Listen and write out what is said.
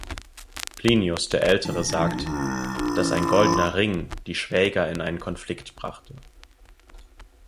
Plinius der Ältere sagt, dass ein goldener Ring die Schwäger in einen Konflikt brachte.